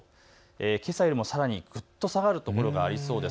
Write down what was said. けさよりもさらにぐっと下がるところがありそうです。